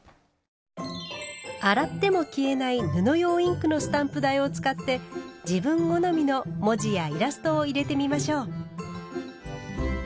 洗っても消えない布用インクのスタンプ台を使って自分好みの文字やイラストを入れてみましょう。